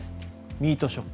ミートショック。